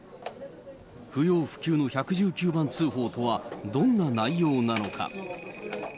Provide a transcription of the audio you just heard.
不要不急の１１９番通報とは、どんな内容なのか。